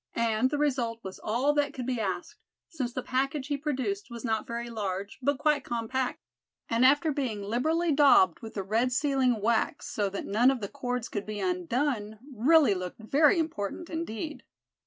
And the result was all that could be asked, since the package he produced was not very large, but quite compact, and after being liberally daubed with the red sealing wax, so that none of the cords could be undone, really looked very important indeed.